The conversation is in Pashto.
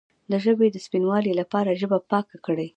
د ژبې د سپینوالي لپاره ژبه پاکه کړئ